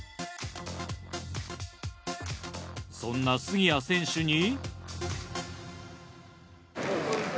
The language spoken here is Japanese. そんな杉谷選手に。